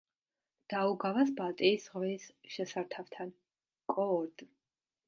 დაუგავას ბალტიის ზღვის შესართავთან, კოორდ.